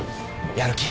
やる気？